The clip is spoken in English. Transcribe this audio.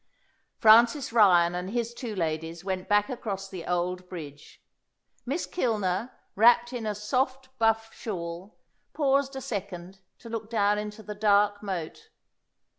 Francis Ryan and his two ladies went back across the old bridge. Miss Kilner, wrapt in a soft buff shawl, paused a second to look down into the dark moat.